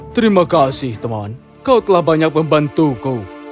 terima kasih teman kau telah banyak membantuku